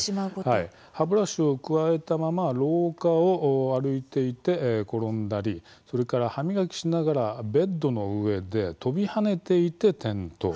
歯ブラシをくわえたまま廊下を歩いていて、転んだり歯磨きしながらベッドの上で飛び跳ねていて転倒。